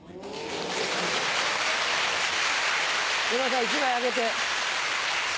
山田さん１枚あげて。